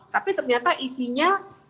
tapi ternyata isinya